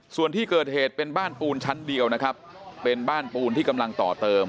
ส่วนที่เกิดเหตุเป็นบ้านปูนชั้นเดียวนะครับเป็นบ้านปูนที่กำลังต่อเติม